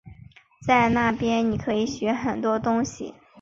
在那边你可以学很多东西